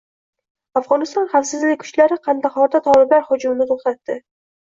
Afg‘oniston xavfsizlik kuchlari Qandahorda toliblar hujumini to‘xtatdi